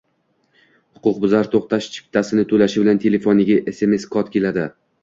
Huquqbuzar to‘xtash chiptasini to‘lashi bilan telefoniga sms-kod keladi